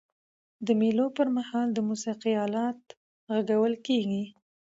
د مېلو پر مهال د موسیقۍ آلات ږغول کيږي.